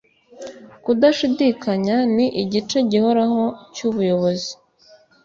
kudashidikanya ni igice gihoraho cyubuyobozi